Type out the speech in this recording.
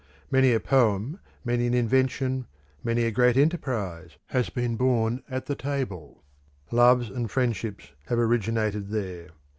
Many a poem, many an invention, many a great enterprise, has been born at the table; loves and friendships have originated there.